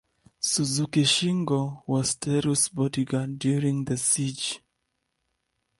Suzuki Shingo was Teru's bodyguard during the siege.